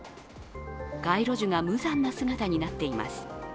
街路樹が無残な姿になっています。